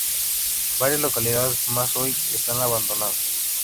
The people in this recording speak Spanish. Varias localidades más hoy están abandonadas.